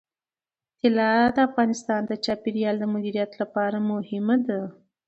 طلا د افغانستان د چاپیریال د مدیریت لپاره مهم دي.